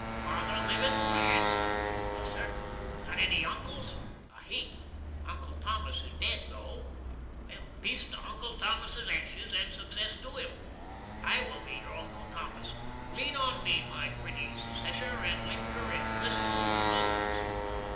"Father livin?" I axed. "Yes, sir." "Got any Uncles?" "A heap. Uncle Thomas is ded, tho." "Peace to Uncle Thomas's ashes, and success to him! I will be your Uncle Thomas! Lean on me, my pretty Secesher, and linger in Blissful repose!"